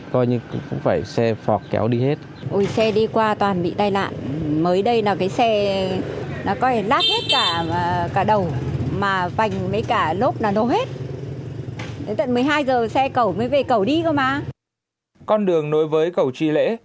con đường nối với cầu chi lễ